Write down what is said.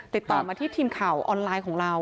ติดต่อมาที่ทีมข่าวออนไลน์ของเรา